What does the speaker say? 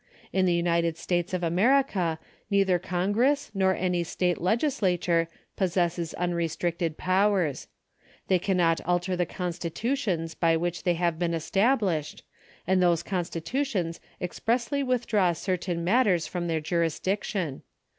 In the United States of America neither Congress nor any State Legislature possesses unrestricted powers. They cannot alter the constitutions by which they have been established, and those constitutions expressly with draw certain matters from their jurisdiction.